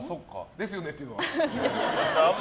ですよねっていうのは？